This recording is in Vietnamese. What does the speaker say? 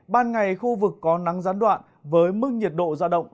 ban ngày khu vực có nắng gián đoạn với mức nhiệt độ ra động